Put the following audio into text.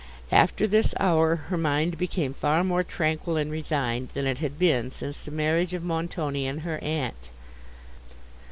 After this hour her mind became far more tranquil and resigned, than it had been since the marriage of Montoni and her aunt.